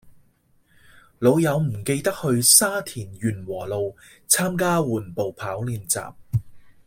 老友唔記得去沙田源禾路參加緩步跑練習